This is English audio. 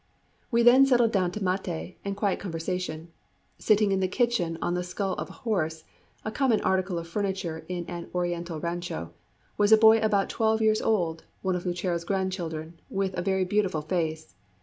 We then settled down to maté and quiet conversation. Sitting in the kitchen on the skull of a horse a common article of furniture in an Oriental rancho was a boy about twelve years old, one of Lucero's grandchildren, with a very beautiful face.